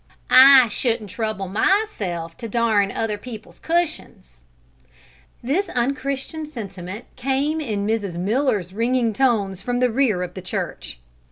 "I shouldn't trouble myself to darn other people's cushions!" This unchristian sentiment came in Mrs. Miller's ringing tones from the rear of the church.